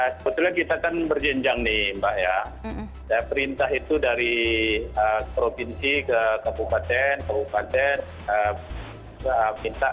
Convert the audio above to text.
sebetulnya kita kan berjenjang nih mbak ya perintah itu dari provinsi ke kabupaten kabupaten minta